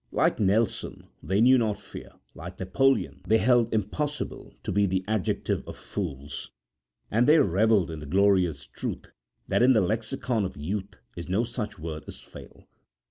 Like Nelson, they knew not fear; like Napoleon, they held 'impossible' to be the adjective of fools; and they revelled in the glorious truth that in the lexicon of youth is no such word as 'fail'.